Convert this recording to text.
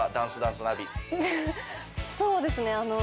そうですねあの。